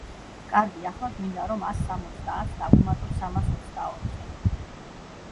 კარგი, ახლა გვინდა, რომ ას სამოცდასამს დავუმატოთ სამას ოცდაოთხი.